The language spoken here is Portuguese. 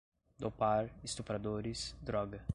dopar, estupradores, droga